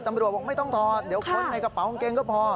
บอกไม่ต้องถอดเดี๋ยวค้นในกระเป๋ากางเกงก็พอ